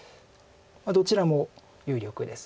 どちらも有力です。